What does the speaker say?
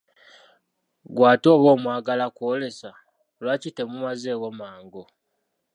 Ggwe ate oba mwagala kw'olesa, lwaki temumazeewo mangu?